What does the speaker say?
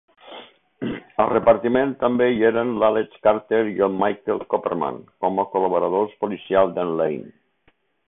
Al repartiment també hi eren l"Alex Carter i el Michael Copeman com a col·laboradors policials de"n Lane.